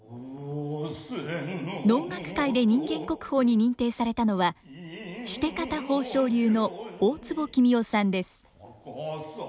能楽界で人間国宝に認定されたのはシテ方宝生流の大坪喜美雄さんです。